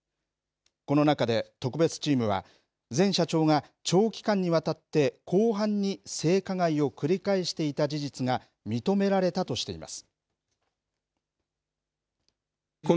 この中で、特別チームは、前社長が長期間にわたって広範に性加害を繰り返していた事実が認められたとしています。